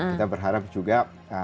kita berharap juga